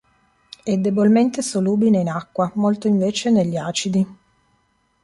È debolmente solubile in acqua, molto invece negli acidi.